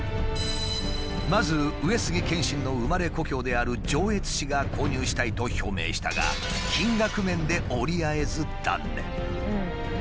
まず上杉謙信の生まれ故郷である上越市が購入したいと表明したが金額面で折り合えず断念。